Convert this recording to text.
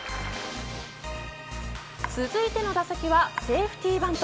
続いての打席はセーフティーバント。